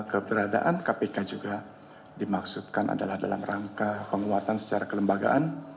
keberadaan kpk juga dimaksudkan adalah dalam rangka penguatan secara kelembagaan